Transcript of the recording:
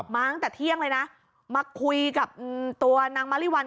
มาตั้งแต่เที่ยงเลยนะมาคุยกับตัวนางมาริวัล